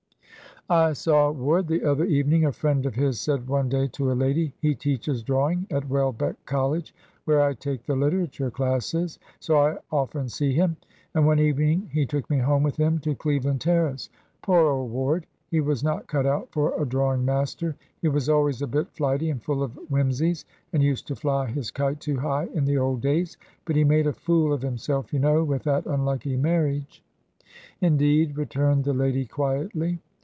"I saw Ward the other evening," a friend of his said one day to a lady; "he teaches drawing at Welbeck College, where I take the literature classes, so I often see him; and one evening he took me home with him to Cleveland Terrace. Poor old Ward! he was not cut out for a drawing master; he was always a bit flighty and full of whimsies, and used to fly his kite too high in the old days; but he made a fool of himself, you know, with that unlucky marriage." "Indeed," returned the lady, quietly.